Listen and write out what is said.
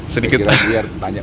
ya biar tanya pukulan aja